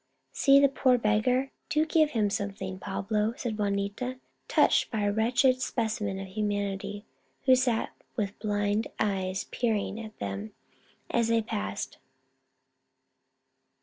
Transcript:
" See the poor beggar ; do give him some thing, Pablo," said Juanita, touched by a wretched specimen of humanity who sat with Viva el Rey! 121 blind eyes peering up at them as they passed.